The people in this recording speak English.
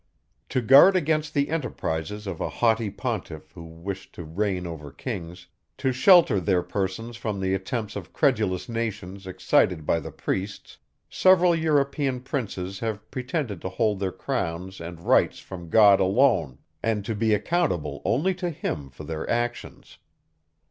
To guard against the enterprises of a haughty pontiff who wished to reign over kings, to shelter their persons from the attempts of credulous nations excited by the priests, several European princes have pretended to hold their crowns and rights from God alone, and to be accountable only to him for their actions.